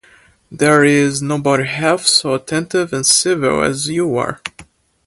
There is nobody half so attentive and civil as you are.